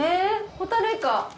ホタルイカ。